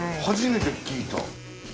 初めて聞いた。